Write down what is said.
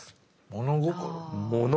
物心。